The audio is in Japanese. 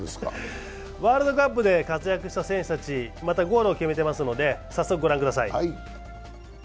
ワールドカップで活躍した選手たち、またゴールを決めていますので早速ご覧ください。